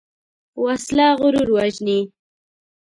وسله غرور وژني